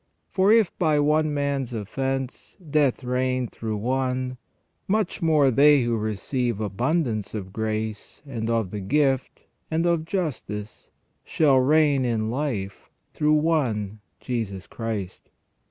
... For if by one man's offence death reigned through one, much more they who receive abundance of grace, and of the gift, and of justice, shall reign in life through One, Jesus Christ.